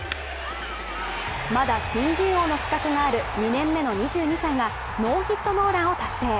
まだ新人王の資格がある２年目の２２歳がノーヒットノーランを達成。